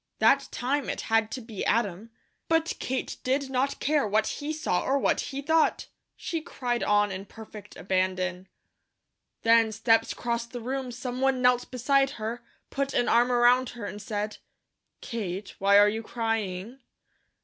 That time it had to be Adam, but Kate did not care what he saw or what he thought. She cried on in perfect abandon. Then steps crossed the room, someone knelt beside her, put an arm around her and said: "Kate, why are you crying?"